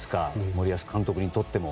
森保監督にとっても。